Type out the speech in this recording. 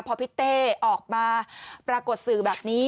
พอพี่เต้ออกมาปรากฏสื่อแบบนี้